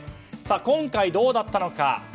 今回はどうだったのか。